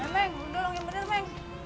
meng dong dorong yang bener meng